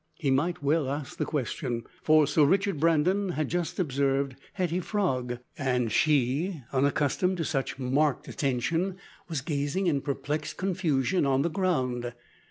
He might well ask the question, for Sir Richard Brandon had just observed Hetty Frog, and she, unaccustomed to such marked attention, was gazing in perplexed confusion on the ground.